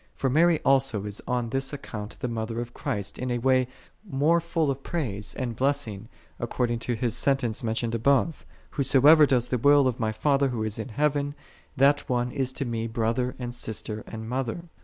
For Mary also is on this account the Mother of Christ in a way more full of praise and blessing, according to His sentence mentioned above. "Whosoever doeth the will of my Father Who is in heaven, that one is to Me brother, and sister, and mother."